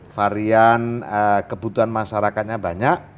varian kebutuhan masyarakatnya banyak